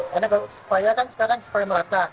karena supaya kan sekarang sepuluh merata